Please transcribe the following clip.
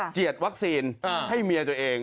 เจียดวัคซีนให้เมียตัวเอง